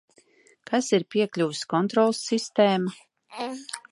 Kas ir piekļuves kontroles sistēma?